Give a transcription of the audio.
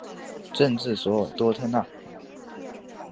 镇治索尔多特纳。